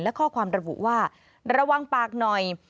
และข้อความระบุว่าระวังปากหน่อย